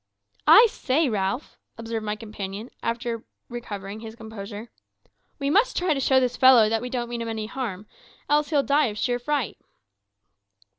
"I say, Ralph," observed my companion, after recovering his composure, "we must try to show this fellow that we don't mean him any harm, else he'll die of sheer fright."